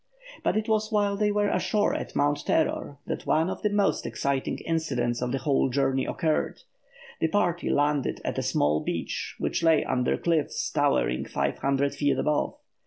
But it was while they were ashore at Mount Terror that one of the most exciting incidents of the whole journey occurred. The party landed at a small beach which lay under cliffs towering five hundred feet above.